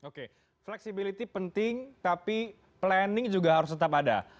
oke fleksibilitas penting tapi planning juga harus tetap ada